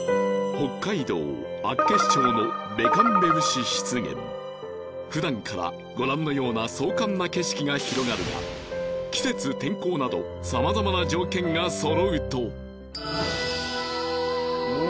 北海道厚岸町の別寒辺牛湿原ふだんからご覧のような壮観な景色が広がるが季節天候など様々な条件がそろうとうわ！